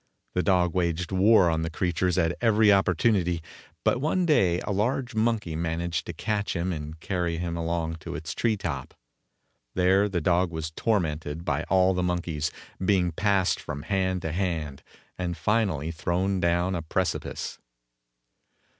The dog waged war on the creatures at every opportunity, but one day a large monkey managed to catch him and carry him along to its tree top. There the dog was tormented by all the monkeys, being passed from hand to hand and finally thrown down a precipice.